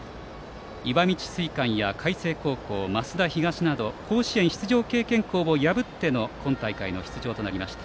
石見智翠館や開星高校益田東など甲子園出場経験校を破っての今回の出場となりました。